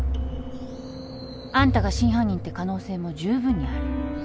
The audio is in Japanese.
あんたが真犯人って可能性もじゅうぶんにある。